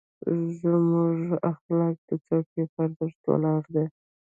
زموږ اخلاق د څوکۍ په ارزښت ولاړ دي.